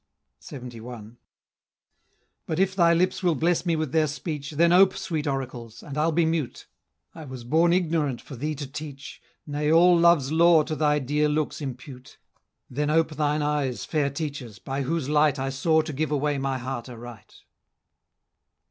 LXXI. "But if thy lips will bless me with their speech, Then ope, sweet oracles! and I'll be mute; I was born ignorant for thee to teach, Nay all love's lore to thy dear looks impute; Then ope thine eyes, fair teachers, by whose light I saw to give away my heart aright!"